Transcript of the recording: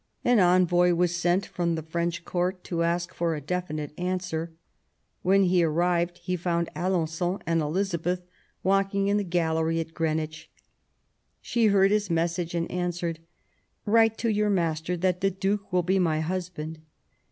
An envoy was sent from the French Court to ask for a definite answer. When he arrived he found Alen9on and Elizabeth walking in the gallery at Greenwich. She heard his message and answered :" Write to your master that the Duke will be my husband".